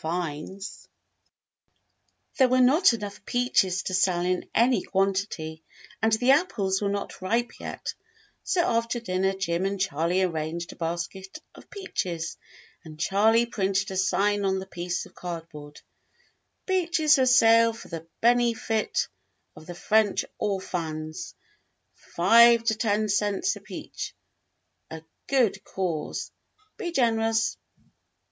JIM AND THE ORPHANS 113 There were not enough peaches to sell in any quan tity, and the apples were not ripe yet, so after dinner Jim and Charley arranged a basket of peaches and Charley printed a sign on a piece of cardboard :— Peaches for sail for the benny fit of the French Orfans. 5 to 10 cents a peach. A good caws. Be Gennerous.